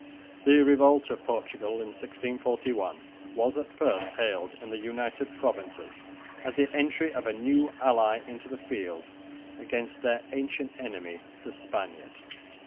The revolt of Portugal in 1641 was at first hailed in the United Provinces as the entry of a new ally into the field against their ancient enemy the Spaniard.